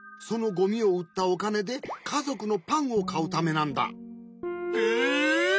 そのゴミをうったおかねでかぞくのパンをかうためなんだ。えっ！？